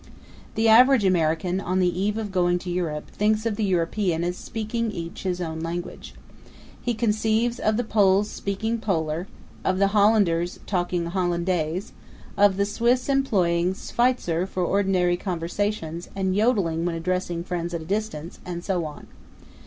The average American, on the eve of going to Europe, thinks of the European as speaking each his own language. He conceives of the Poles speaking Polar; of the Hollanders talking Hollandaise; of the Swiss as employing Schweitzer for ordinary conversations and yodeling when addressing friends at a distance; and so on.